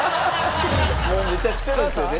もうめちゃくちゃですよね。